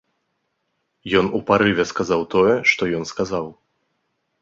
Ён у парыве сказаў тое, што ён сказаў.